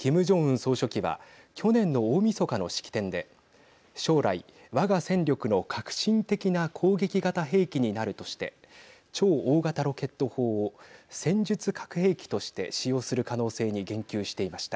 総書記は去年の大みそかの式典で将来、我が戦力の核心的な攻撃型兵器になるとして超大型ロケット砲を戦術核兵器として使用する可能性に言及していました。